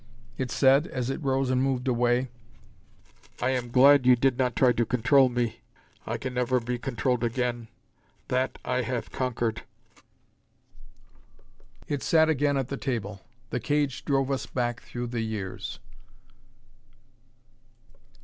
It said, as it rose and moved away, "I am glad you did not try to control me. I can never be controlled again. That, I have conquered." It sat again at the table. The cage drove us back through the years....